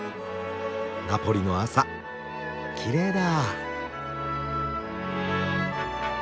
ナポリの朝きれいだ。